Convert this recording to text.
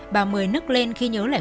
bà mười nức lên khi nhớ lại